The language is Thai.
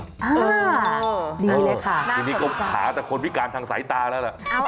เออดีเลยค่ะน่าเผ็ดจังทีนี้ก็หาแต่คนพิการทางสายตาแล้วล่ะ